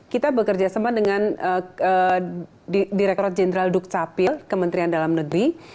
kita bekerja sama dengan direkturat jenderal dukcapil kementerian dalam negeri